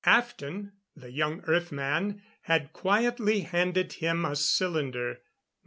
Aften the young Earth man had quietly handed him a cylinder.